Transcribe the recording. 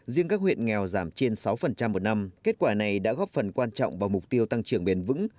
riêng các huyện nghèo giảm trên sáu một năm kết quả này đã góp phần quan trọng vào mục tiêu tăng trưởng bền vững